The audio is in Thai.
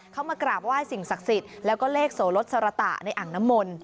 เขามากราบไหว้สิ่งศักดิ์สิทธิ์แล้วก็เลขโสรสสรตะในอ่างน้ำมนต์